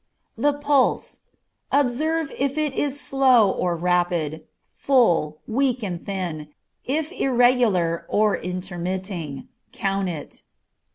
The pulse. Observe if it is slow or rapid, full, weak and thin, if irregular or intermitting. Count it.